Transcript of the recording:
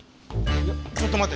いやちょっと待て。